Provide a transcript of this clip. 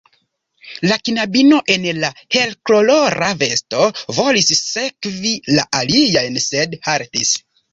La knabino en la helkolora vesto volis sekvi la aliajn, sed haltis.